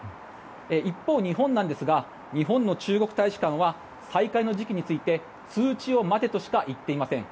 一方、日本ですが日本の中国大使館は再開の時期について通知を待てとしか言っていません。